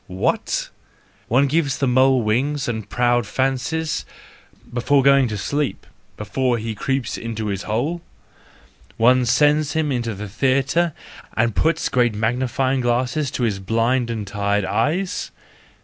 What ? One gives the mole wings and proud fancies—before going to sleep, before he creeps into his hole? One sends him into the theatre and puts great magnifying glasses to his blind and tired eyes?